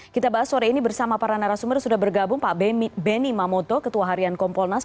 kita bahas sore ini bersama para narasumber sudah bergabung pak benny mamoto ketua harian kompolnas